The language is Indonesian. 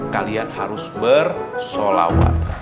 kalian harus bersolawat